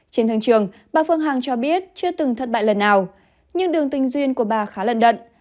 trên thương trường bà phương hằng cho biết chưa từng thất bại lần nào nhưng đường tình duyên của bà khá là đận